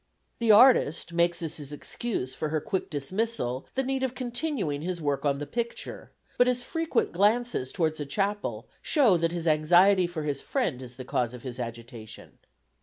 The artist makes as his excuse for her quick dismissal the need of continuing his work on the picture, but his frequent glances towards the chapel show that his anxiety for his friend is the cause of his agitation.